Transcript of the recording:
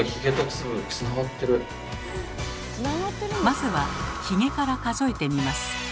まずはヒゲから数えてみます。